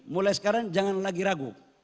mulai sekarang jangan lagi ragu